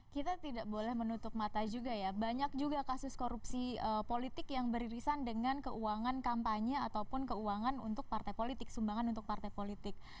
kita tidak boleh menutup mata juga ya banyak juga kasus korupsi politik yang beririsan dengan keuangan kampanye ataupun keuangan untuk partai politik sumbangan untuk partai politik